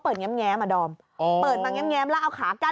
เปิดแง้มแง้มอ่ะดอมอ๋อเปิดมาแง้มแง้มแล้วเอาขากั้น